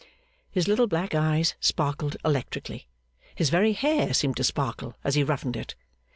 His little black eyes sparkled electrically. His very hair seemed to sparkle as he roughened it.